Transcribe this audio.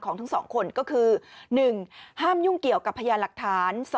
ทั้ง๒คนก็คือ๑ห้ามยุ่งเกี่ยวกับพยานหลักฐาน